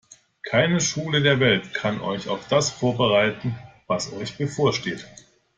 Keine Schule der Welt kann euch auf das vorbereiten, was euch bevorsteht.